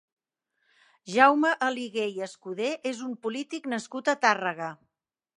Jaume Aligué i Escudé és un polític nascut a Tàrrega.